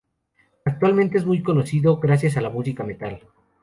Actualmente es muy conocido gracias a la música metal.